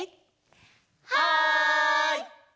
はい！